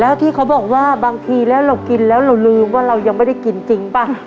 แล้วที่เขาบอกว่าบางทีแล้วเรากินแล้วเราลืมว่าเรายังไม่ได้กินจริงป่ะ